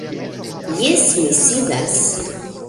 Jes, mi sidas.